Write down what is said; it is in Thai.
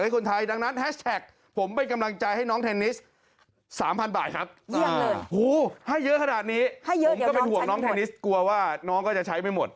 ให้เยอะเดี๋ยวน้องเทนนิสกลัวว่าน้องก็จะใช้ไม่หมด